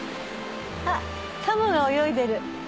あっカモが泳いでる。